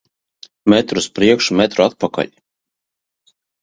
Metru uz priekšu, metru atpakaļ.